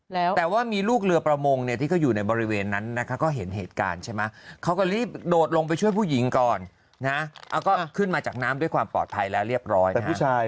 แล้วแต่ว่ามีลูกเรือประมงเนี่ยที่เขาอยู่ในบริเวณนั้นนะคะก็เห็นเหตุการณ์ใช่ไหมเขาก็รีบโดดลงไปช่วยผู้หญิงก่อนนะแล้วก็ขึ้นมาจากน้ำด้วยความปลอดภัยแล้วเรียบร้อย